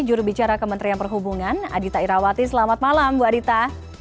juru bicara kementerian perhubungan adhita irawati selamat malam bu adhita